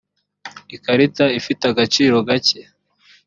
ikarita ifite agaciro gake.